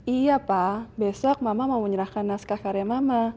iya pak besok mama mau menyerahkan naskah karya mama